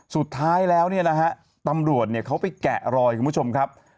สุดท้ายแล้วเนี่ยนะฮะตำรวจเขาไปแกะรอยคุณผู้ชมครับ